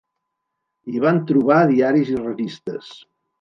Hi van trobar diaris i revistes.